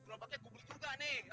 kurang pake gue beli juga nih